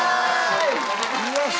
よし！